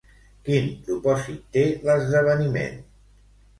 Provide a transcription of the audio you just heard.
Quin propòsit té l'esdeveniment?